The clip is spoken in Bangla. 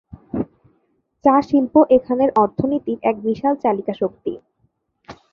চা শিল্প এখানের অর্থনীতির এক বিশাল চালিকা শক্তি।